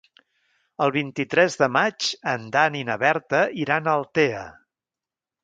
El vint-i-tres de maig en Dan i na Berta iran a Altea.